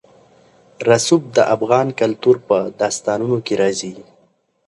رسوب د افغان کلتور په داستانونو کې راځي.